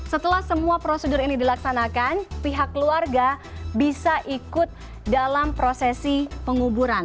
setelah semua prosedur ini dilaksanakan pihak keluarga bisa ikut dalam prosesi penguburan